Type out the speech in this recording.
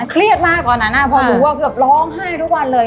เครียดมากตอนนั้นพอรู้ว่าเกือบร้องไห้ทุกวันเลย